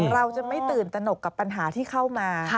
เราจะไม่ตื่นตนกกับปัญหาที่เข้ามา